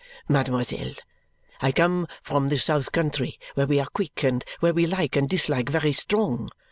"Mademoiselle, I come from the South country where we are quick and where we like and dislike very strong.